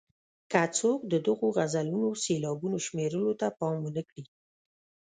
که څوک د دغو غزلونو سېلابونو شمېرلو ته پام ونه کړي.